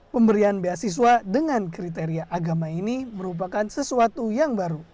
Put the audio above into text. pemberian beasiswa dengan kriteria agama ini merupakan sesuatu yang baru